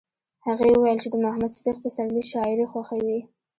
هغې وویل چې د محمد صدیق پسرلي شاعري خوښوي